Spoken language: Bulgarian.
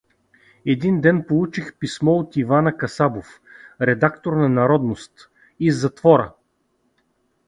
Един ден получих писмо от Ивана Касабов, редактор на _„Народност“_, из затвора.